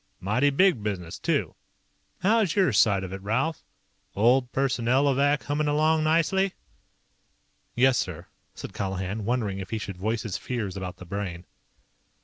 "Mighty big business, too. How's your side of it, Ralph? Old Personnelovac hummin' along nicely?" "Yes, sir," said Colihan, wondering if he should voice his fears about the Brain.